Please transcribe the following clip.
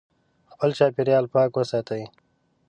خپل چاپیریال پاک وساتئ.